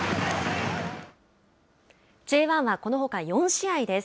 Ｊ１は、このほか４試合です。